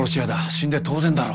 死んで当然だろ。